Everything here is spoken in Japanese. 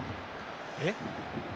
えっ？